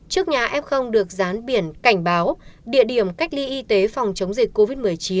trước nhà f được rán biển cảnh báo địa điểm cách ly y tế phòng chống dịch covid một mươi chín